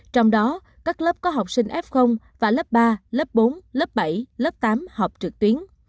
trong đó các lớp có học sinh f và lớp ba lớp bốn lớp bảy lớp tám học trực tuyến